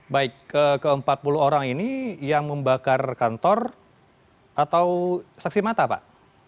baik ke empat puluh orang ini yang membakar kantor atau saksi mata pak